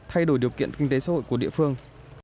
thay đổi điều kiện kinh tế xã hội của địa phương